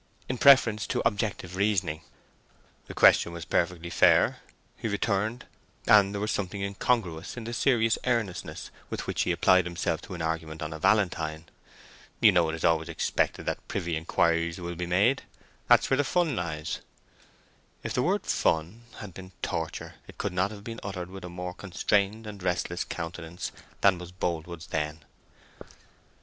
in preference to objective reasoning. "The question was perfectly fair," he returned—and there was something incongruous in the serious earnestness with which he applied himself to an argument on a valentine. "You know it is always expected that privy inquiries will be made: that's where the—fun lies." If the word "fun" had been "torture," it could not have been uttered with a more constrained and restless countenance than was Boldwood's then.